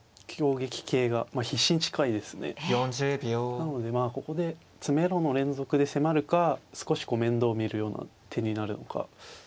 なのでまあここで詰めろの連続で迫るか少しこう面倒を見るような手になるのか。